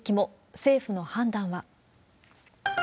政府の判断は。